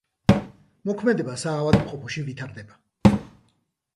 მოქმედება საავადმყოფოში ვითარდება.